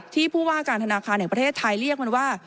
ผู้ว่าการธนาคารแห่งประเทศไทยเรียกมันว่า